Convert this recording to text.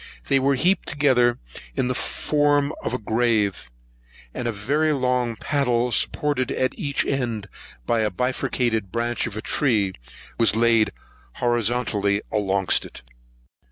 They were heaped together in the form of a grave, and a very long paddle, supported at each end by a bifurcated branch of a tree, was laid horizontally alongst it.